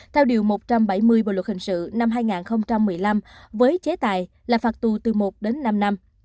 theo điều một trăm bảy mươi bộ luật hình sự năm hai nghìn một mươi năm với chế tài là phạt tù từ một đến năm năm